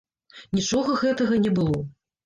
Нічога гэтага не было.